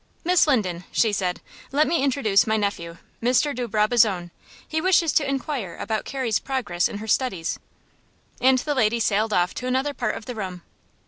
"Miss Linden," she said, "let me introduce my nephew, Mr. de Brabazon. He wishes to inquire about Carrie's progress in her studies." And the lady sailed off to another part of the room.